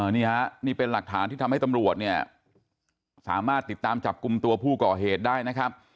นี่ฮะนี่เป็นหลักฐานที่ทำให้ตำรวจเนี่ยสามารถติดตามจับกลุ่มตัวผู้ก่อเหตุได้นะครับ